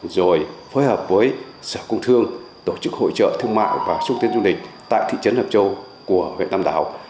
rồi phối hợp với sở công thương tổ chức hội trợ thương mại và xúc tiến du lịch tại thị trấn hợp châu của huyện tam đảo